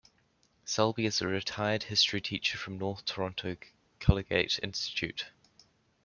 Selby is a retired history teacher from North Toronto Collegiate Institute.